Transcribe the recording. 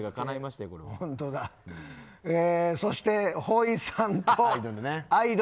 そしてほいさんと「アイドル」。